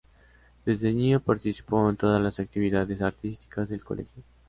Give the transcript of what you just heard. Desde niña participó en todas las actividades artísticas del colegio.